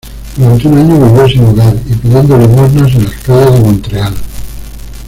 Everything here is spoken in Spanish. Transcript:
Durante un año vivió sin hogar y pidiendo limosnas en las calles de Montreal.